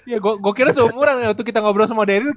ya gue kira seumuran ya waktu kita ngobrol sama daniel